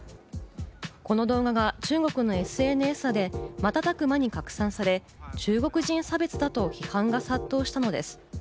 この動画が中国のＳＮＳで瞬く間に拡散され、中国人差別だと批判が殺到したのです。